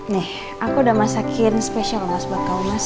nih aku udah masakin spesial mas buat kamu mas